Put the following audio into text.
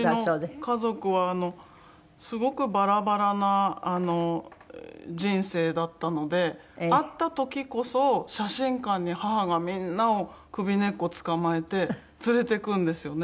うちの家族はすごくバラバラな人生だったので会った時こそ写真館に母がみんなを首根っこつかまえて連れていくんですよね。